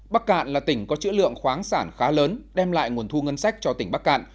bắc cạn là tỉnh có chữ lượng khoáng sản khá lớn đem lại nguồn thu ngân sách cho tỉnh bắc cạn